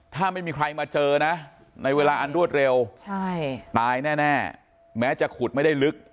ถ้าไม่มีใครมาเจอนะในเวลาอันรวดเร็วตายแน่แม้จะขุดไม่ได้ลึก